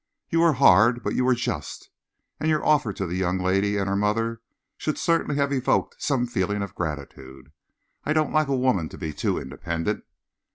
"You were hard but you were just, and your offer to the young lady and her mother should certainly have evoked some feeling of gratitude. I don't like a woman to be too independent."